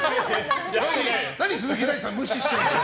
何、鈴木大地さん無視してるの？